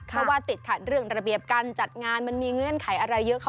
เพราะว่าติดขัดเรื่องระเบียบการจัดงานมันมีเงื่อนไขอะไรเยอะ